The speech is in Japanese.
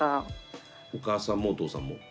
お母さんもお父さんも。